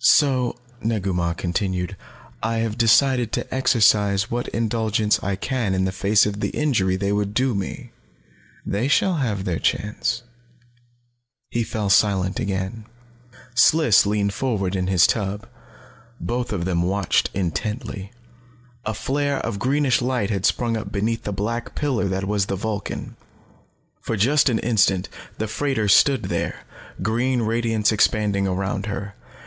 "So," Negu Mah continued, "I have decided to exercise what indulgence I can in the face of the injury they would do me. They shall have their chance." He fell silent again. Sliss leaned forward in his tub. Both of them watched intently. A flare of greenish light had sprung up beneath the black pillar that was the Vulcan. For just an instant the freighter stood there, green radiance expanding around her.